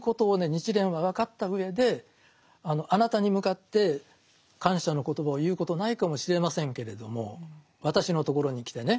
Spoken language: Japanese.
日蓮は分かったうえであなたに向かって感謝の言葉を言うことないかもしれませんけれども私のところに来てね